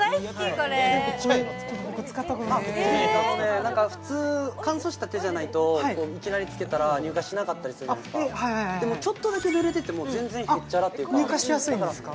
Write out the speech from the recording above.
これちょっと僕使ったことなくて普通乾燥した手じゃないといきなりつけたら乳化しなかったりするじゃないですかでもちょっとだけ濡れてても全然へっちゃらというか乳化しやすいんですか？